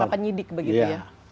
dari para penyidik begitu ya